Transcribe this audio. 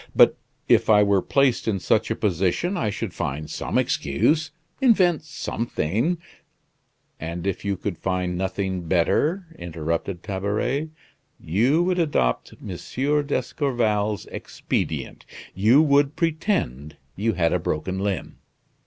But if I were placed in such a position I should find some excuse invent something " "And if you could find nothing better," interrupted Tabaret, "you would adopt M. d'Escorval's expedient; you would pretend you had broken a limb.